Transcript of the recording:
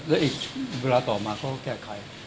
และอีกเวลาต่อมาเขาก็แก้ไข